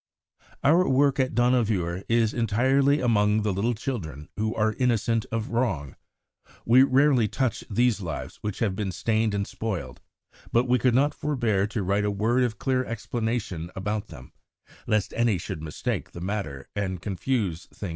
Our work at Dohnavur is entirely among the little children who are innocent of wrong. We rarely touch these lives which have been stained and spoiled; but we could not forbear to write a word of clear explanation about them, lest any should mistake the matter and confuse things that differ.